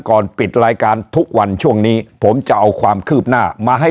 ปิดรายการทุกวันช่วงนี้ผมจะเอาความคืบหน้ามาให้